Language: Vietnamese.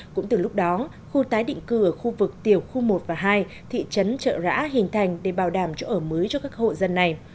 cũng từ lúc đó khu tái định cư ở khu vực tiểu khu một và hai thị trấn trợ rã hình thành để bảo đảm chỗ ở mới cho các hộ dân này